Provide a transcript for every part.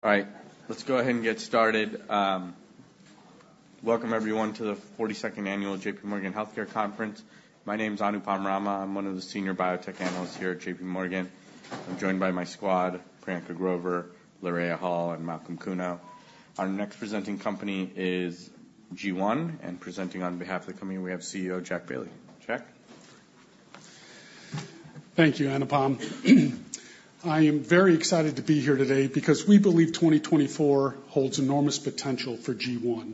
All right, let's go ahead and get started. Welcome everyone to the 42nd annual J.P. Morgan Healthcare conference. My name's Anupam Rama. I'm one of the senior biotech analysts here at J.P. Morgan. I'm joined by my squad, Priyanka Grover, Lyra Hall, and Malcolm Kuno. Our next presenting company is G1, and presenting on behalf of the company, we have CEO Jack Bailey. Jack? Thank you, Anupam. I am very excited to be here today because we believe 2024 holds enormous potential for G1,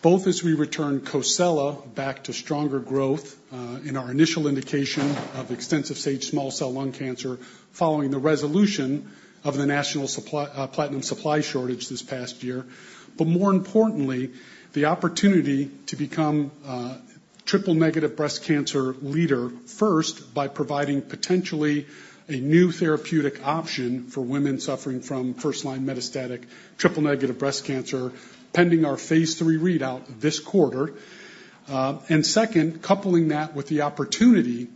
both as we return COSELA back to stronger growth in our initial indication of extensive-stage small cell lung cancer, following the resolution of the national supply platinum supply shortage this past year. But more importantly, the opportunity to become a triple-negative breast cancer leader, first, by providing potentially a new therapeutic option for women suffering from first-line metastatic triple-negative breast cancer, pending our Phase 3 readout this quarter. And second, coupling that with the opportunity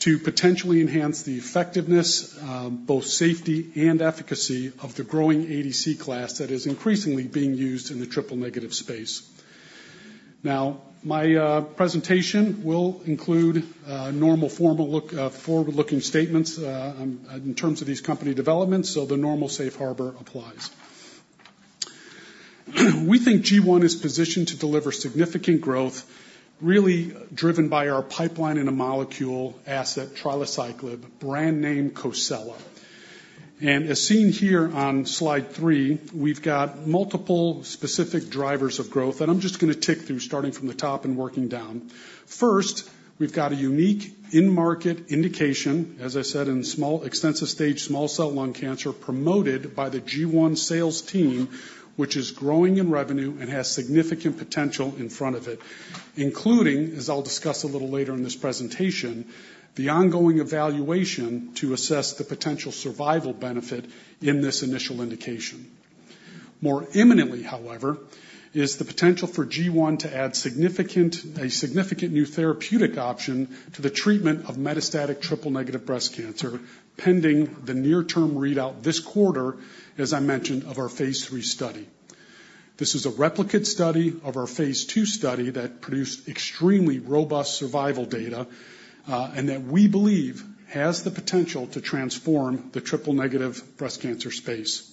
to potentially enhance the effectiveness both safety and efficacy of the growing ADC class that is increasingly being used in the triple-negative space. Now, my presentation will include forward-looking statements in terms of these company developments, so the normal safe harbor applies. We think G1 is positioned to deliver significant growth, really driven by our pipeline in a molecule asset, trilaciclib, brand name COSELA. As seen here on slide three, we've got multiple specific drivers of growth, and I'm just gonna tick through, starting from the top and working down. First, we've got a unique in-market indication, as I said, in small, extensive-stage small cell lung cancer, promoted by the G1 sales team, which is growing in revenue and has significant potential in front of it, including, as I'll discuss a little later in this presentation, the ongoing evaluation to assess the potential survival benefit in this initial indication. More imminently, however, is the potential for G1 to add significant, a significant new therapeutic option to the treatment of metastatic triple-negative breast cancer, pending the near-term readout this quarter, as I mentioned, of our Phase 3 study. This is a replicate study of our Phase 2 study that produced extremely robust survival data, and that we believe has the potential to transform the triple-negative breast cancer space.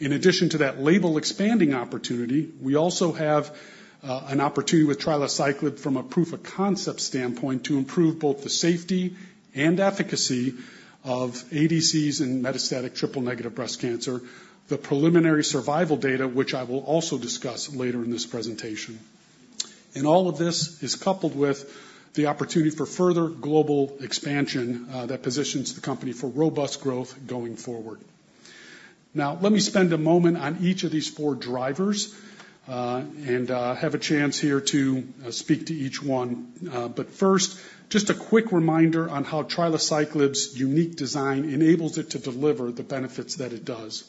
In addition to that label expanding opportunity, we also have an opportunity with trilaciclib from a proof-of-concept standpoint, to improve both the safety and efficacy of ADCs in metastatic triple-negative breast cancer. The preliminary survival data, which I will also discuss later in this presentation. And all of this is coupled with the opportunity for further global expansion that positions the company for robust growth going forward. Now, let me spend a moment on each of these four drivers, and have a chance here to speak to each one. But first, just a quick reminder on how trilaciclib's unique design enables it to deliver the benefits that it does.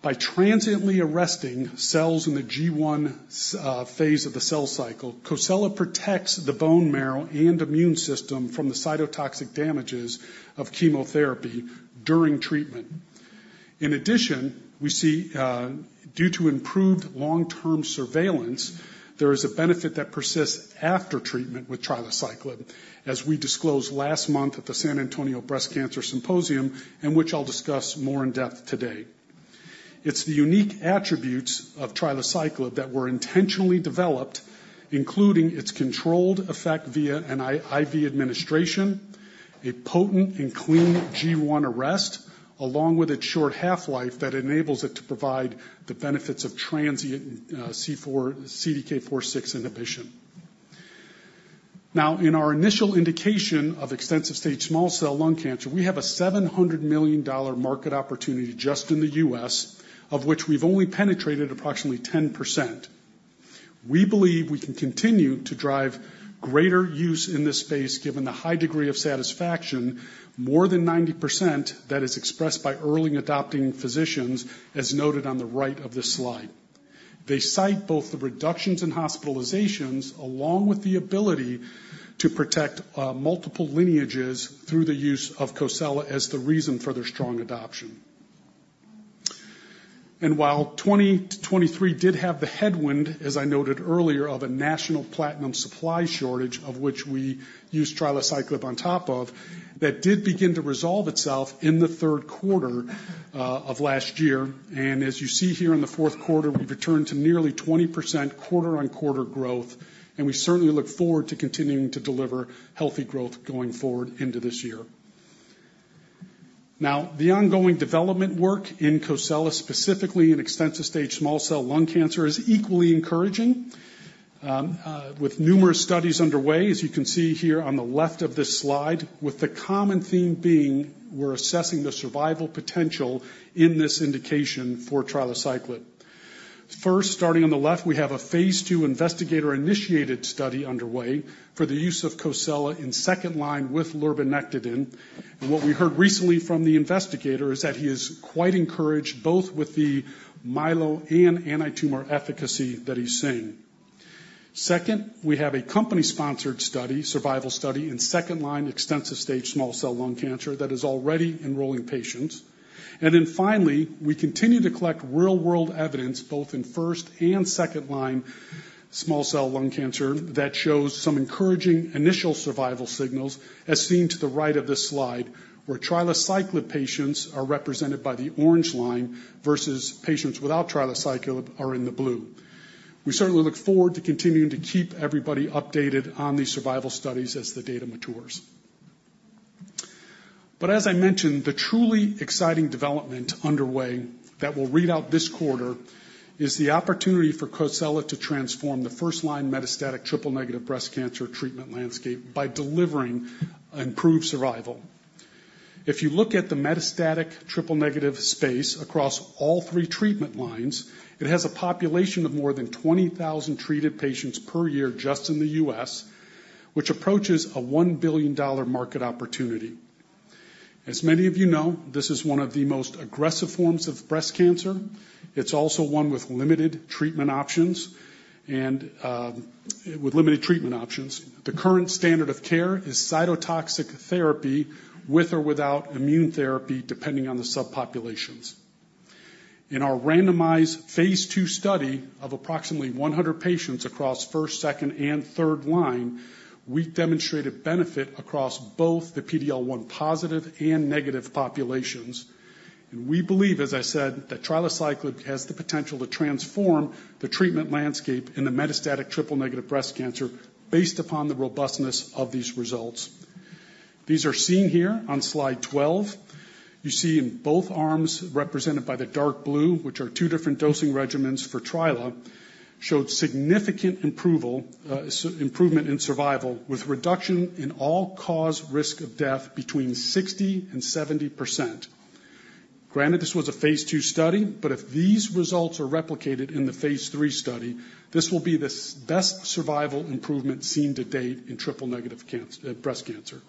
By transiently arresting cells in the G1 phase of the cell cycle, COSELA protects the bone marrow and immune system from the cytotoxic damages of chemotherapy during treatment. In addition, we see due to improved long-term surveillance, there is a benefit that persists after treatment with trilaciclib, as we disclosed last month at the San Antonio Breast Cancer Symposium, and which I'll discuss more in depth today. It's the unique attributes of trilaciclib that were intentionally developed, including its controlled effect via an IV administration, a potent and clean G1 arrest, along with its short half-life, that enables it to provide the benefits of transient CDK4/6 inhibition. Now, in our initial indication of extensive-stage small cell lung cancer, we have a $700 million market opportunity just in the U.S., of which we've only penetrated approximately 10%. We believe we can continue to drive greater use in this space, given the high degree of satisfaction, more than 90%, that is expressed by early adopting physicians, as noted on the right of this slide. They cite both the reductions in hospitalizations, along with the ability to protect multiple lineages through the use of COSELA, as the reason for their strong adoption. While 2023 did have the headwind, as I noted earlier, of a national platinum supply shortage, of which we used trilaciclib on top of, that did begin to resolve itself in the third quarter of last year. As you see here in the fourth quarter, we've returned to nearly 20% quarter-on-quarter growth, and we certainly look forward to continuing to deliver healthy growth going forward into this year. Now, the ongoing development work in COSELA, specifically in extensive-stage small cell lung cancer, is equally encouraging, with numerous studies underway, as you can see here on the left of this slide, with the common theme being we're assessing the survival potential in this indication for trilaciclib. First, starting on the left, we have a Phase 2 investigator-initiated study underway for the use of COSELA in second-line with lurbinectedin. And what we heard recently from the investigator is that he is quite encouraged both with the myelo and antitumor efficacy that he's seeing. Second, we have a company-sponsored study, survival study, in second-line extensive-stage small cell lung cancer that is already enrolling patients. And then finally, we continue to collect real-world evidence, both in first- and second-line small cell lung cancer, that shows some encouraging initial survival signals, as seen to the right of this slide, where trilaciclib patients are represented by the orange line, versus patients without trilaciclib are in the blue. We certainly look forward to continuing to keep everybody updated on these survival studies as the data matures. But as I mentioned, the truly exciting development underway that will read out this quarter is the opportunity for COSELA to transform the first-line metastatic triple-negative breast cancer treatment landscape by delivering improved survival. If you look at the metastatic triple-negative space across all three treatment lines, it has a population of more than 20,000 treated patients per year just in the U.S., which approaches a $1 billion market opportunity. As many of you know, this is one of the most aggressive forms of breast cancer. It's also one with limited treatment options. The current standard of care is cytotoxic therapy, with or without immune therapy, depending on the subpopulations. In our randomized Phase 2 study of approximately 100 patients across first, second, and third line, we demonstrated benefit across both the PD-L1 positive and negative populations. We believe, as I said, that trilaciclib has the potential to transform the treatment landscape in the metastatic triple-negative breast cancer based upon the robustness of these results. These are seen here on slide 12. You see in both arms, represented by the dark blue, which are two different dosing regimens for trilaciclib, showed significant improvement in survival, with reduction in all-cause risk of death between 60%-70%. Granted, this was a Phase 2 study, but if these results are replicated in the Phase 3 study, this will be the best survival improvement seen to date in triple-negative breast cancer.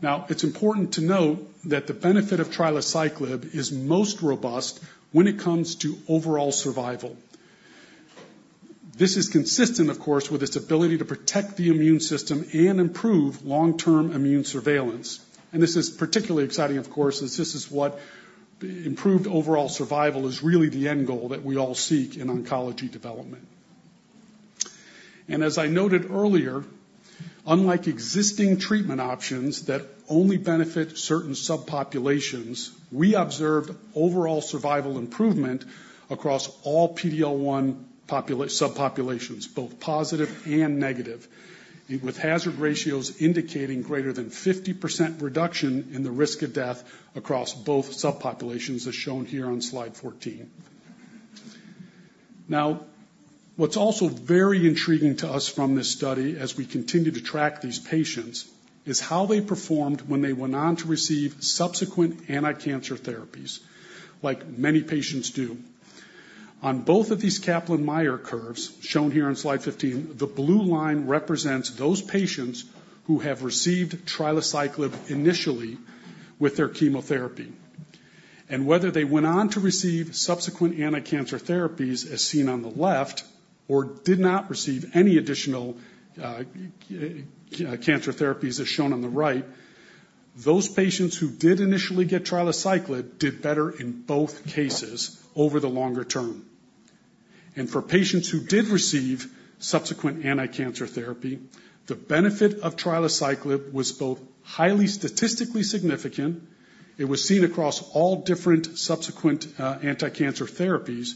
Now, it's important to note that the benefit of trilaciclib is most robust when it comes to overall survival. This is consistent, of course, with its ability to protect the immune system and improve long-term immune surveillance. This is particularly exciting, of course, as this is what improved overall survival is really the end goal that we all seek in oncology development. As I noted earlier, unlike existing treatment options that only benefit certain subpopulations, we observed overall survival improvement across all PD-L1 subpopulations, both positive and negative, with hazard ratios indicating greater than 50% reduction in the risk of death across both subpopulations, as shown here on slide 14. Now, what's also very intriguing to us from this study, as we continue to track these patients, is how they performed when they went on to receive subsequent anticancer therapies, like many patients do. On both of these Kaplan-Meier curves, shown here on slide 15, the blue line represents those patients who have received trilaciclib initially with their chemotherapy. And whether they went on to receive subsequent anticancer therapies, as seen on the left, or did not receive any additional cancer therapies, as shown on the right, those patients who did initially get trilaciclib did better in both cases over the longer term. And for patients who did receive subsequent anticancer therapy, the benefit of trilaciclib was both highly statistically significant, it was seen across all different subsequent anticancer therapies,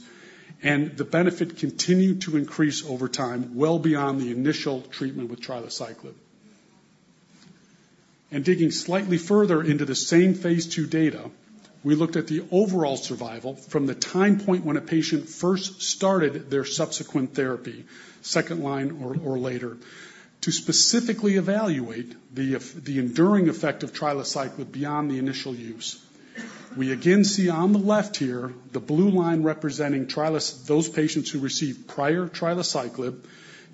and the benefit continued to increase over time, well beyond the initial treatment with trilaciclib. Digging slightly further into the same Phase 2 data, we looked at the overall survival from the time point when a patient first started their subsequent therapy, second line or later, to specifically evaluate the enduring effect of trilaciclib beyond the initial use. We again see on the left here, the blue line representing trilaciclib, those patients who received prior trilaciclib,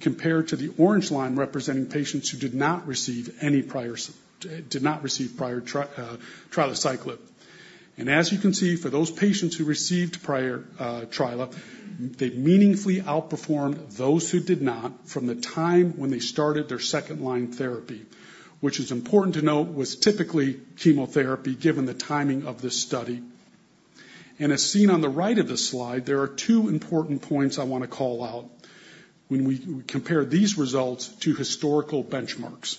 compared to the orange line, representing patients who did not receive any prior trilaciclib. As you can see, for those patients who received prior trilaciclib, they meaningfully outperformed those who did not from the time when they started their second-line therapy, which is important to note, was typically chemotherapy, given the timing of this study. As seen on the right of this slide, there are two important points I want to call out when we compare these results to historical benchmarks.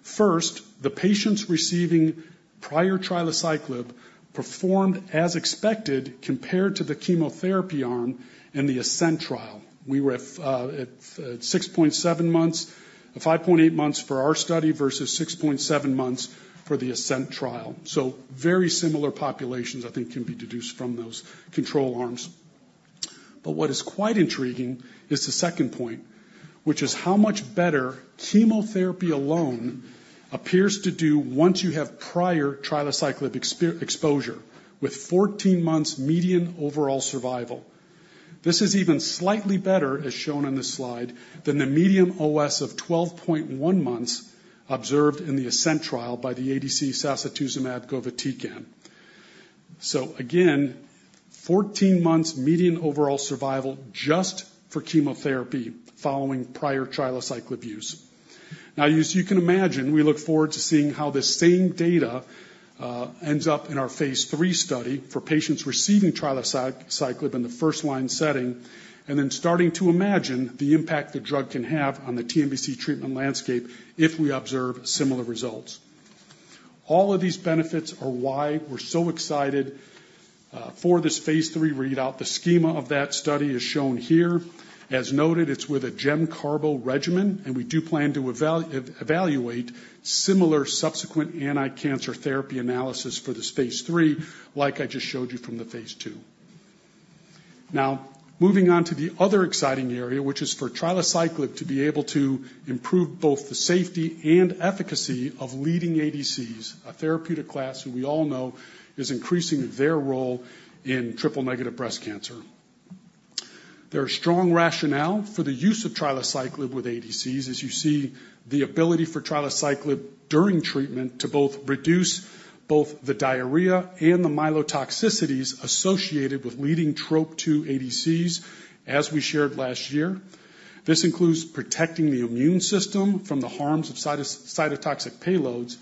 First, the patients receiving prior trilaciclib performed as expected compared to the chemotherapy arm in the ASCENT trial. We were at 6.7 months, 5.8 months for our study versus 6.7 months for the ASCENT trial. So very similar populations, I think, can be deduced from those control arms. But what is quite intriguing is the second point, which is how much better chemotherapy alone appears to do once you have prior trilaciclib exposure, with 14 months median overall survival. This is even slightly better, as shown on this slide, than the median OS of 12.1 months observed in the ASCENT trial by the ADC sacituzumab govitecan. So again, 14 months median overall survival just for chemotherapy following prior trilaciclib use. Now, as you can imagine, we look forward to seeing how this same data ends up in our Phase 3 study for patients receiving trilaciclib in the first-line setting, and then starting to imagine the impact the drug can have on the TNBC treatment landscape if we observe similar results. All of these benefits are why we're so excited for this Phase 3 readout. The schema of that study is shown here. As noted, it's with a GemCarbo regimen, and we do plan to evaluate similar subsequent anticancer therapy analysis for this Phase 3, like I just showed you from the Phase 2. Now, moving on to the other exciting area, which is for trilaciclib to be able to improve both the safety and efficacy of leading ADCs, a therapeutic class who we all know is increasing their role in triple-negative breast cancer. There are strong rationale for the use of trilaciclib with ADCs. As you see, the ability for trilaciclib during treatment to both reduce both the diarrhea and the myelotoxicities associated with leading Trop-2 ADCs, as we shared last year. This includes protecting the immune system from the harms of cytotoxic payloads,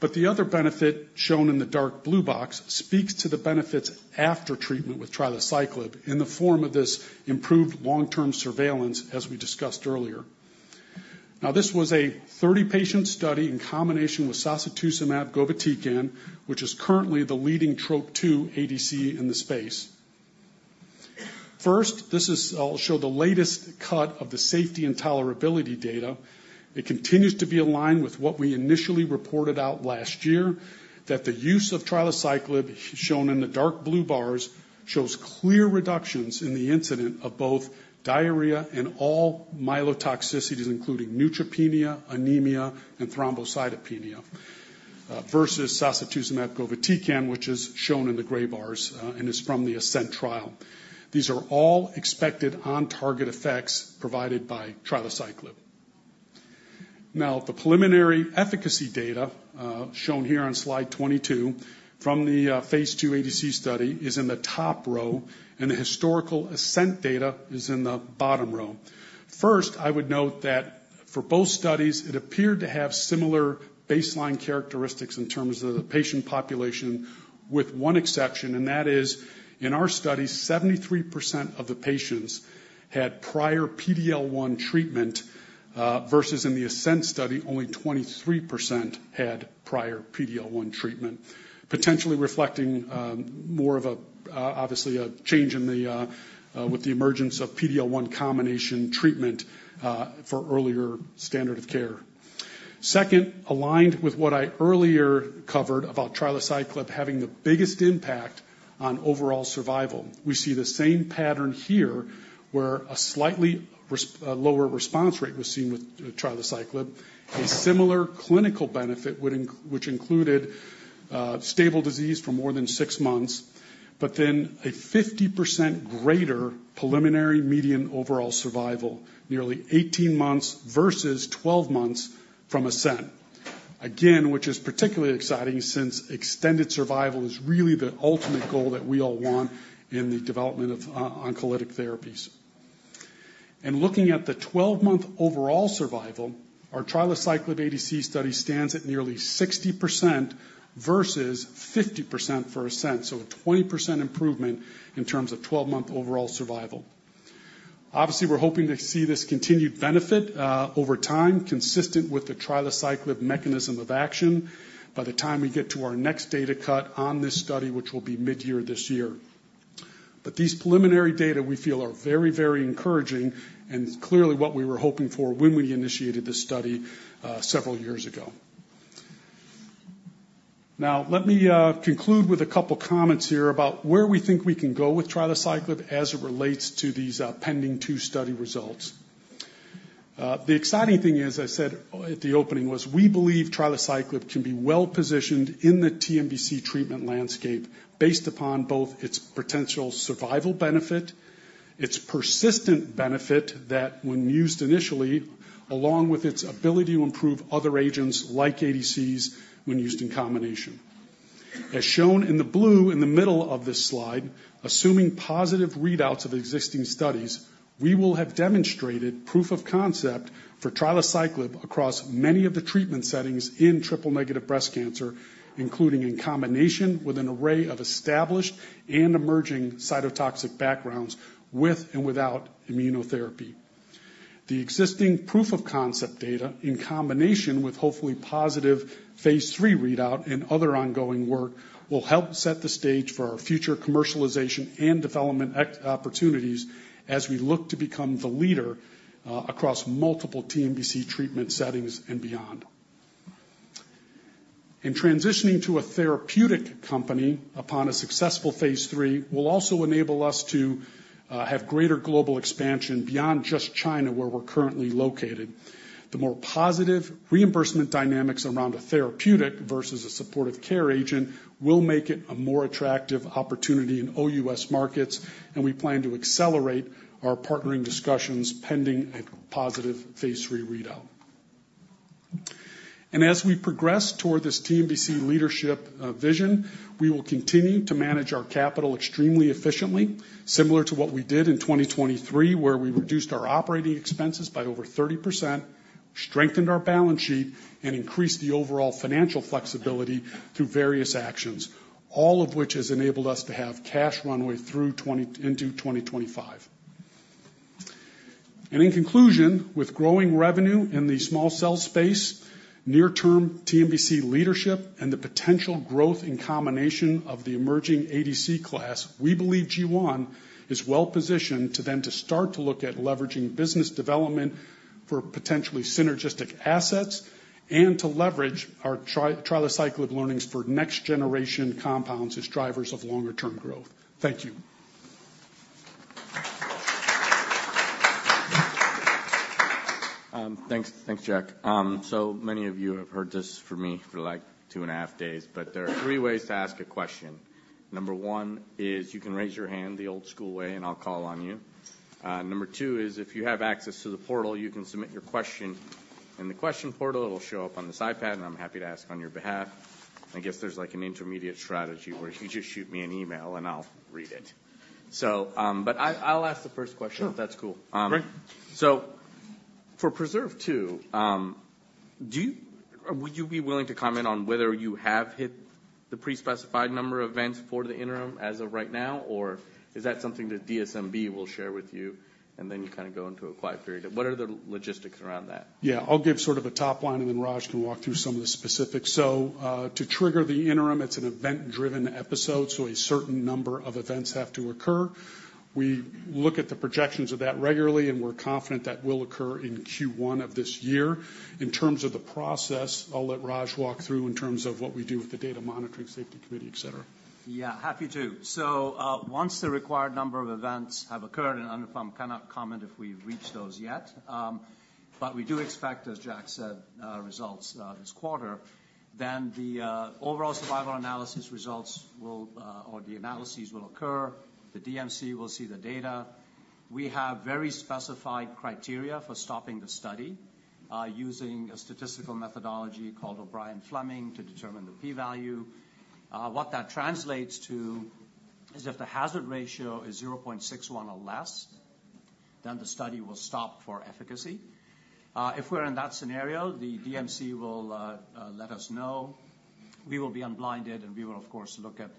but the other benefit, shown in the dark blue box, speaks to the benefits after treatment with trilaciclib in the form of this improved long-term surveillance, as we discussed earlier. Now, this was a 30-patient study in combination with sacituzumab govitecan, which is currently the leading Trop-2 ADC in the space. First, this is. I'll show the latest cut of the safety and tolerability data. It continues to be aligned with what we initially reported out last year, that the use of trilaciclib, shown in the dark blue bars, shows clear reductions in the incidence of both diarrhea and all myelotoxicities, including neutropenia, anemia, and thrombocytopenia, versus sacituzumab govitecan, which is shown in the gray bars, and is from the ASCENT trial. These are all expected on-target effects provided by trilaciclib. Now, the preliminary efficacy data, shown here on slide 22 from the Phase 2 ADC study, is in the top row, and the historical ASCENT data is in the bottom row. First, I would note that for both studies, it appeared to have similar baseline characteristics in terms of the patient population, with one exception, and that is, in our study, 73% of the patients had prior PD-L1 treatment, versus in the ASCENT study, only 23% had prior PD-L1 treatment. Potentially reflecting, more of a, obviously a change in the, with the emergence of PD-L1 combination treatment, for earlier standard of care. Second, aligned with what I earlier covered about trilaciclib having the biggest impact on overall survival. We see the same pattern here, where a slightly a lower response rate was seen with, trilaciclib. A similar clinical benefit, which included, stable disease for more than six months, but then a 50% greater preliminary median overall survival, nearly 18 months versus 12 months from ASCENT. Again, which is particularly exciting since extended survival is really the ultimate goal that we all want in the development of oncolytic therapies. Looking at the 12-month overall survival, our trilaciclib ADC study stands at nearly 60% versus 50% for ASCENT, so a 20% improvement in terms of 12-month overall survival. Obviously, we're hoping to see this continued benefit over time, consistent with the trilaciclib mechanism of action, by the time we get to our next data cut on this study, which will be mid-year this year. But these preliminary data we feel are very, very encouraging and clearly what we were hoping for when we initiated this study several years ago. Now, let me conclude with a couple comments here about where we think we can go with trilaciclib as it relates to these pending two study results. The exciting thing is, I said at the opening, was we believe trilaciclib can be well-positioned in the TNBC treatment landscape based upon both its potential survival benefit, its persistent benefit, that when used initially, along with its ability to improve other agents like ADCs when used in combination. As shown in the blue in the middle of this slide, assuming positive readouts of existing studies, we will have demonstrated proof of concept for trilaciclib across many of the treatment settings in triple-negative breast cancer, including in combination with an array of established and emerging cytotoxic backgrounds, with and without immunotherapy. The existing proof of concept data, in combination with hopefully positive Phase 3 readout and other ongoing work, will help set the stage for our future commercialization and development opportunities as we look to become the leader, across multiple TNBC treatment settings and beyond. In transitioning to a therapeutic company upon a successful Phase 3, will also enable us to have greater global expansion beyond just China, where we're currently located. The more positive reimbursement dynamics around a therapeutic versus a supportive care agent will make it a more attractive opportunity in OUS markets, and we plan to accelerate our partnering discussions pending a positive Phase 3 readout. As we progress toward this TNBC leadership vision, we will continue to manage our capital extremely efficiently, similar to what we did in 2023, where we reduced our operating expenses by over 30%, strengthened our balance sheet, and increased the overall financial flexibility through various actions. All of which has enabled us to have cash runway through into 2025. In conclusion, with growing revenue in the small cell space, near-term TNBC leadership, and the potential growth in combination of the emerging ADC class, we believe G1 is well positioned to then start to look at leveraging business development for potentially synergistic assets and to leverage our trilaciclib learnings for next generation compounds as drivers of longer term growth. Thank you. Thanks. Thanks, Jack. So many of you have heard this from me for, like, 2.5 days, but there are three ways to ask a question. Number one is you can raise your hand the old school way, and I'll call on you. Number two is, if you have access to the portal, you can submit your question in the question portal. It'll show up on this iPad, and I'm happy to ask on your behalf. I guess there's, like, an intermediate strategy where if you just shoot me an email, and I'll read it. So, I'll ask the first question. Sure. If that's cool. Great. So for PRESERVE 2, would you be willing to comment on whether you have hit the pre-specified number of events for the interim as of right now, or is that something that DSMB will share with you, and then you kind of go into a quiet period? What are the logistics around that? Yeah. I'll give sort of a top line, and then Raj can walk through some of the specifics. So, to trigger the interim, it's an event-driven episode, so a certain number of events have to occur. We look at the projections of that regularly, and we're confident that will occur in Q1 of this year. In terms of the process, I'll let Raj walk through in terms of what we do with the Data Safety Monitoring Committee, etc. Yeah, happy to. So, once the required number of events have occurred, and I cannot comment if we've reached those yet, but we do expect, as Jack said, results this quarter, then the overall survival analysis results will, or the analyses will occur. The DMC will see the data. We have very specified criteria for stopping the study, using a statistical methodology called O'Brien-Fleming to determine the p-value. What that translates to is if the hazard ratio is 0.61 or less, then the study will stop for efficacy. If we're in that scenario, the DMC will let us know. We will be unblinded, and we will, of course, look at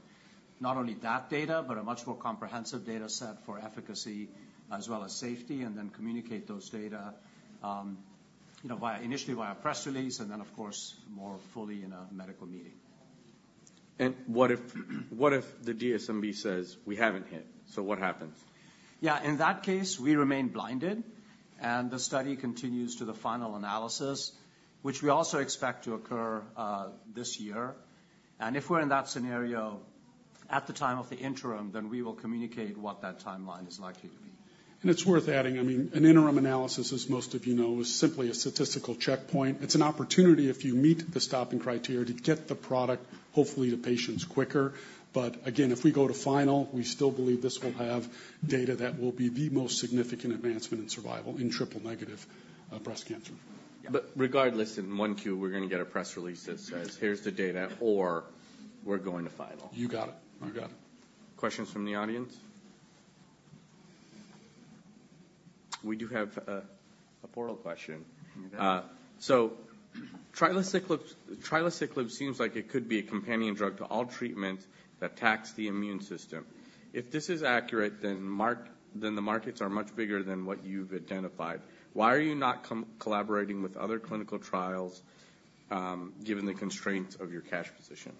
not only that data but a much more comprehensive data set for efficacy as well as safety, and then communicate those data, you know, via initially press release and then, of course, more fully in a medical meeting. What if, what if the DSMB says, "We haven't hit?" So what happens? Yeah. In that case, we remain blinded, and the study continues to the final analysis, which we also expect to occur this year. If we're in that scenario at the time of the interim, then we will communicate what that timeline is likely to be. It's worth adding, I mean, an interim analysis, as most of you know, is simply a statistical checkpoint. It's an opportunity if you meet the stopping criteria to get the product, hopefully to patients quicker. But again, if we go to final, we still believe this will have data that will be the most significant advancement in survival in triple-negative breast cancer. Yeah. But regardless, in 1Q, we're gonna get a press release that says, "Here's the data," or, "We're going to final." You got it. You got it. Questions from the audience? We do have a portal question. Okay. So, trilaciclib, trilaciclib seems like it could be a companion drug to all treatments that attacks the immune system. If this is accurate, then the markets are much bigger than what you've identified. Why are you not collaborating with other clinical trials, given the constraints of your cash position?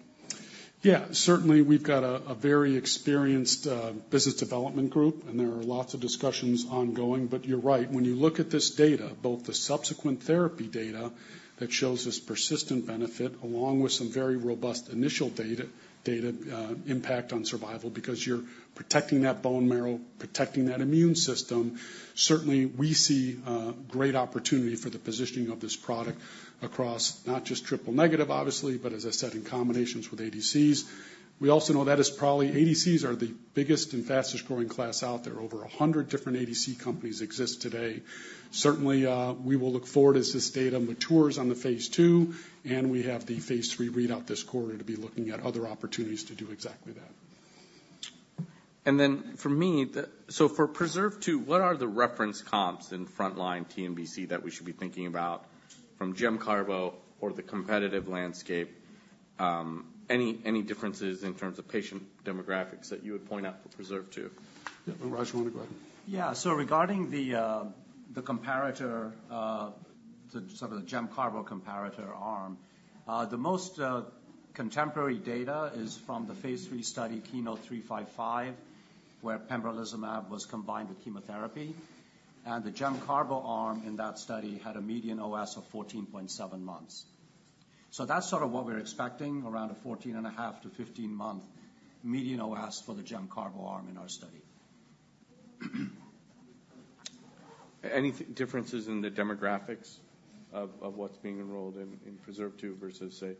Yeah. Certainly, we've got a very experienced business development group, and there are lots of discussions ongoing. But you're right. When you look at this data, both the subsequent therapy data that shows this persistent benefit, along with some very robust initial data impact on survival, because you're protecting that bone marrow, protecting that immune system. Certainly, we see a great opportunity for the positioning of this product across not just triple-negative, obviously, but as I said, in combinations with ADCs. We also know that is probably ADCs are the biggest and fastest-growing class out there. Over 100 different ADC companies exist today. Certainly, we will look forward as this data matures on the Phase 2, and we have the Phase 3 readout this quarter to be looking at other opportunities to do exactly that. And then for me, so for PRESERVE 2, what are the reference comps in frontline TNBC that we should be thinking about from gemcarbo or the competitive landscape? Any differences in terms of patient demographics that you would point out for PRESERVE 2? Yeah. Raj, you wanna go ahead? Yeah. So regarding the, the comparator, the sort of the GemCarbo comparator arm, the most, contemporary data is from the Phase 3 study, KEYNOTE-355, where pembrolizumab was combined with chemotherapy, and the GemCarbo arm in that study had a median OS of 14.7 months. So that's sort of what we're expecting, around a 14.5-15-month median OS for the GemCarbo arm in our study. Any differences in the demographics of what's being enrolled in PRESERVE 2 versus, say,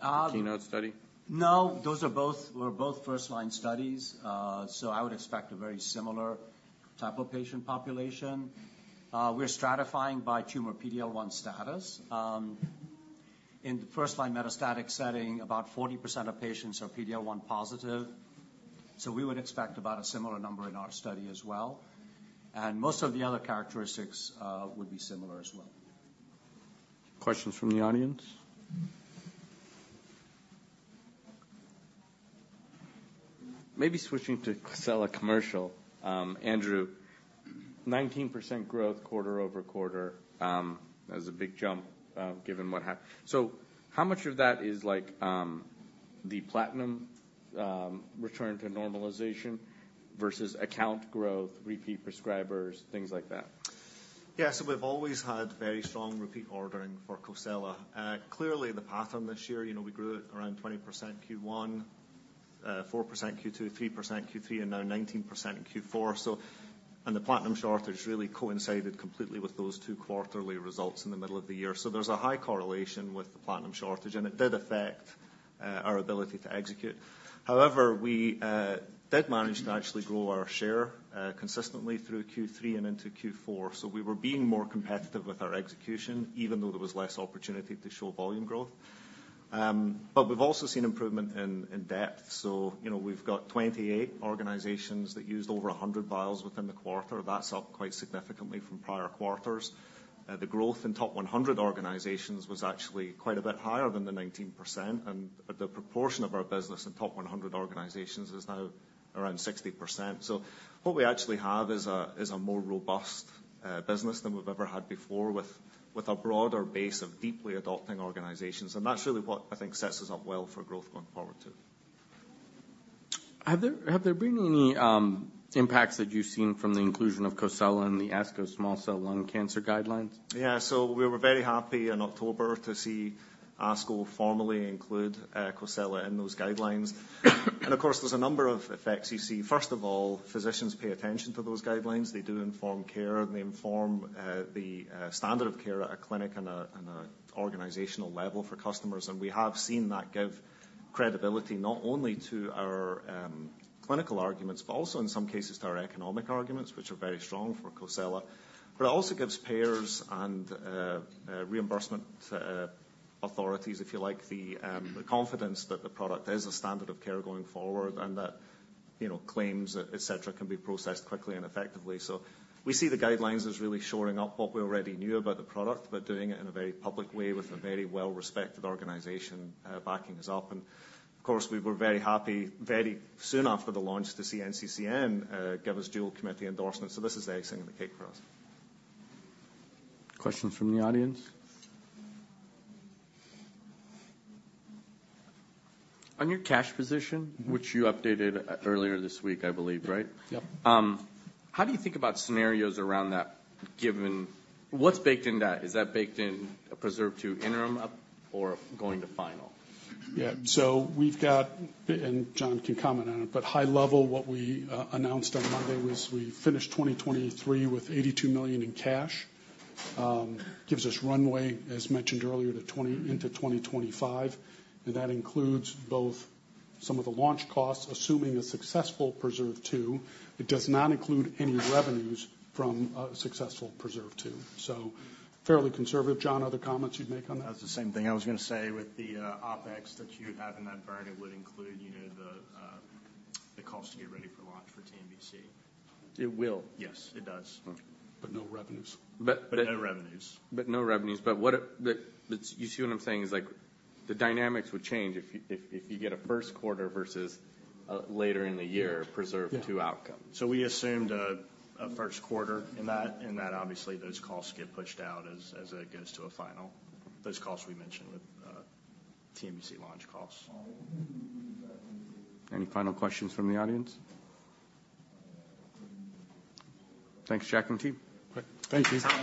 the KEYNOTE study? No, those are both, were both first-line studies. So I would expect a very similar type of patient population. We're stratifying by tumor PD-L1 status. In the first-line metastatic setting, about 40% of patients are PD-L1 positive. So we would expect about a similar number in our study as well, and most of the other characteristics would be similar as well. Questions from the audience? Maybe switching to COSELA commercial. Andrew, 19% growth quarter-over-quarter, that was a big jump, given what happened. So how much of that is like, the platinum, returning to normalization versus account growth, repeat prescribers, things like that? Yeah. So we've always had very strong repeat ordering for COSELA. Clearly, the pattern this year, you know, we grew at around 20% Q1, 4% Q2, 3% Q3, and now 19% in Q4. So and the platinum shortage really coincided completely with those two quarterly results in the middle of the year. So there's a high correlation with the platinum shortage, and it did affect our ability to execute. However, we did manage to actually grow our share consistently through Q3 and into Q4. So we were being more competitive with our execution, even though there was less opportunity to show volume growth. But we've also seen improvement in depth. So, you know, we've got 28 organizations that used over 100 vials within the quarter. That's up quite significantly from prior quarters. The growth in top 100 organizations was actually quite a bit higher than the 19%, and the proportion of our business in top 100 organizations is now around 60%. So what we actually have is a more robust business than we've ever had before, with a broader base of deeply adopting organizations. That's really what I think sets us up well for growth going forward, too. Have there been any impacts that you've seen from the inclusion of COSELA in the ASCO small cell lung cancer guidelines? Yeah. So we were very happy in October to see ASCO formally include COSELA in those guidelines. And of course, there's a number of effects you see. First of all, physicians pay attention to those guidelines. They do inform care, and they inform the standard of care at a clinic and a organizational level for customers. And we have seen that give credibility not only to our clinical arguments, but also in some cases, to our economic arguments, which are very strong for COSELA. But it also gives payers and reimbursement authorities, if you like, the confidence that the product is a standard of care going forward and that, you know, claims, et cetera, can be processed quickly and effectively. We see the guidelines as really shoring up what we already knew about the product, but doing it in a very public way with a very well-respected organization backing us up. Of course, we were very happy, very soon after the launch, to see NCCN give us dual committee endorsement. This is the icing on the cake for us. Questions from the audience? On your cash position, which you updated earlier this week, I believe, right? How do you think about scenarios around that, given, what's baked in that? Is that baked in a PRESERVE 2 interim up or going to final? Yeah. So we've got, and John can comment on it, but high level, what we announced on Monday was we finished 2023 with $82 million in cash. Gives us runway, as mentioned earlier, to 2024 into 2025, and that includes both some of the launch costs, assuming a successful PRESERVE 2. It does not include any revenues from a successful PRESERVE 2. So fairly conservative. John, other comments you'd make on that? I was gonna say the same thing. With the OpEx that you have in that burn, it would include, you know, the cost to get ready for launch for TNBC. It will? Yes, it does. Mm. But no revenues. But. But no revenues. But no revenues. But you see what I'm saying is, like, the dynamics would change if you get a first quarter versus later in the year. Yeah. PRESERVE 2 outcome. So we assumed a first quarter in that, obviously, those costs get pushed out as it goes to a final. Those costs we mentioned with TNBC launch costs. Any final questions from the audience? Thanks, Jack and team. Great. Thank you.